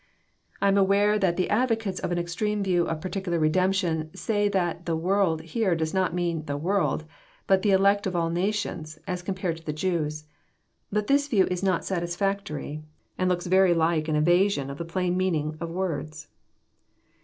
I am aware that the advocates of an extreme view of particu lar redemption say that '* the world " here does not mean *^ the world," but the elect of all nations, as compared to the Jews. But this view is not satisfactory, and looks very like an evasion of the plain meaning of words.